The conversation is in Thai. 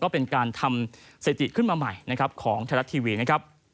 ก็เป็นการทำสถิติขึ้นมาใหม่ของไทยรัฐทีวี